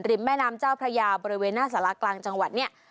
แม่น้ำเจ้าพระยาบริเวณหน้าสารากลางจังหวัดเนี่ย